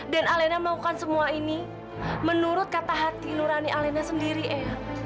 dan alena melakukan semua ini menurut kata hati nurani alena sendiri eang